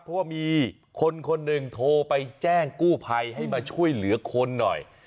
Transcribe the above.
เพราะว่ามีคนคนหนึ่งโทรไปแจ้งกู้ภัยให้มาช่วยเหลือคนหน่อย